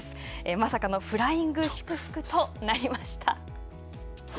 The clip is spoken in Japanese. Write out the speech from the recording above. まさかのフライング祝福となりました。